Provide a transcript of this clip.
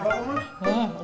gak tau gak tau